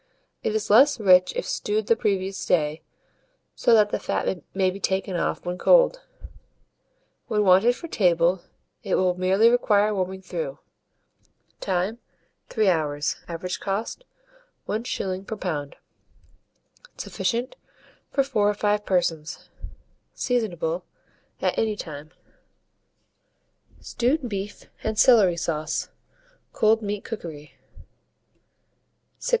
It is less rich if stewed the previous day, so that the fat may be taken off when cold; when wanted for table, it will merely require warming through. Time. 3 hours. Average cost, 1s. per lb. Sufficient for 4 or 5 persons. Seasonable at any time. STEWED BEEF AND CELERY SAUCE (Cold Meat Cookery). 667.